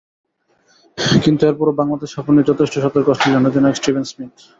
কিন্তু এরপরও বাংলাদেশ সফর নিয়ে যথেষ্ট সতর্ক অস্ট্রেলিয়ান অধিনায়ক স্টিভেন স্মিথ।